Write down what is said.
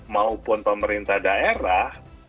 maupun pemerintah daerah